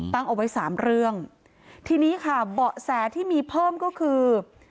ตั้งเอาไว้สามเรื่องทีนี้ค่ะเบาะแสที่มีเพิ่มก็คือ